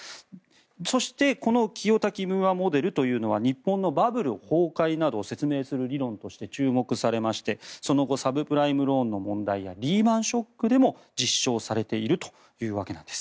そして、この清滝・ムーアモデルというのは日本のバブル崩壊などを説明する理論として注目されまして、その後サブプライムローンの問題やリーマン・ショックでも実証されているというわけです。